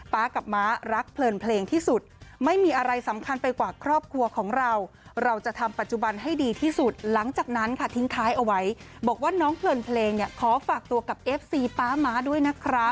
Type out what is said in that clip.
กับม้ารักเพลินเพลงที่สุดไม่มีอะไรสำคัญไปกว่าครอบครัวของเราเราจะทำปัจจุบันให้ดีที่สุดหลังจากนั้นค่ะทิ้งท้ายเอาไว้บอกว่าน้องเพลินเพลงเนี่ยขอฝากตัวกับเอฟซีป๊าม้าด้วยนะคะ